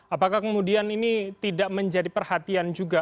apakah kemudian ini tidak menjadi perhatian juga